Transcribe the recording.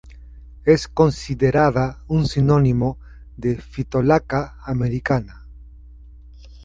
Es considerada un sinónimo de "Phytolacca americana".